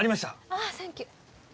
ああサンキュー。